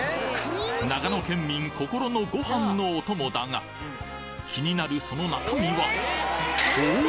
長野県民心のご飯のお供だが気になるその中身はおお！